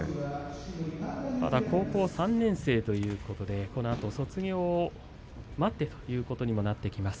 まだ高校３年生ということで、このあと卒業を待ってということにもなってきます。